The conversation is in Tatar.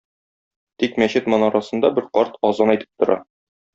Тик мәчет манарасында бер карт азан әйтеп тора.